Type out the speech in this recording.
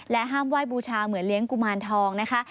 ห้ามไหว้บูชาเหมือนเลี้ยงกุมารทองนะคะ